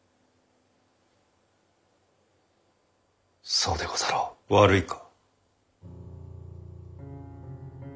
そうでござろう？悪いか？